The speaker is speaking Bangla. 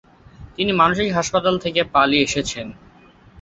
তিনি মানসিক হাসপাতাল থেকে পালিয়ে এসেছিলেন।